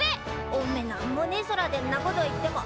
おめ何もねえ空でんなこと言ってもあっあれか！